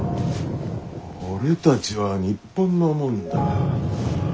俺たちは日本の者だ。